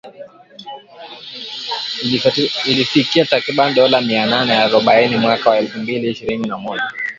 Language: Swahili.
Ilifikia takriban dola mia nane arobaini mwaka wa elfu mbili ishirini na moja.